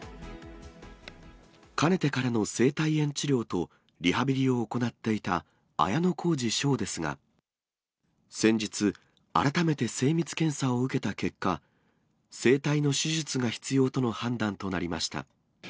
かねてからの声帯炎治療とリハビリを行っていた綾小路翔ですが、先日改めて精密検査を受けた結果、声帯の手術が必要との判断となりました。